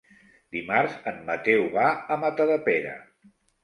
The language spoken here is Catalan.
Dimarts en Mateu va a Matadepera.